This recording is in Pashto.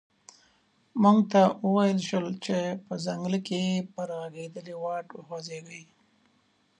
موږ ته و ویل شول چې په ځنګله کې پر غزیدلي واټ وخوځیږئ.